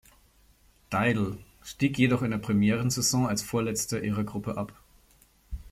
Deild", stieg jedoch in der Premierensaison als vorletzter ihrer Gruppe ab.